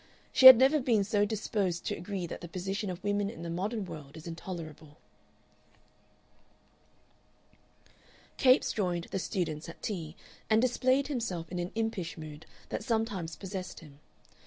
She had never been so disposed to agree that the position of women in the modern world is intolerable. Capes joined the students at tea, and displayed himself in an impish mood that sometimes possessed him.